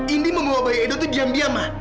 indi membawa bayi edo tuh diam diam ma